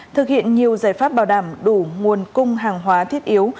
thực hiện nhiều giải pháp bảo đảm đủ nguồn cung hàng hóa thiết yếu